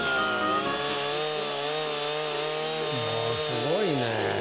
すごいね。